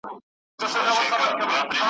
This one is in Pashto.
د دنیا وروستۍ شېبې وروستی ساعت دی !.